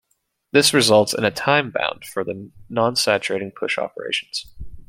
This results in a time bound of for the nonsaturating push operations.